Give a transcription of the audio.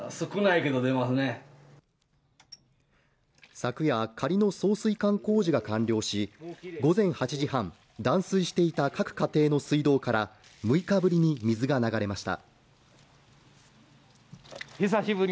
昨夜、仮の送水管工事が完了し、午前８時半、断水していた各家庭の水道から６日ぶりに水が流れました。